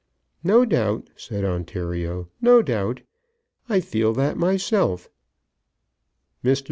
"No doubt," said Ontario; "no doubt. I feel that myself. Mr.